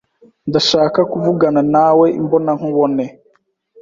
Ndashaka kuvugana nawe imbonankubone.